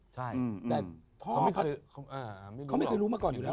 เขาไม่เคยรู้มาก่อนอยู่แล้ว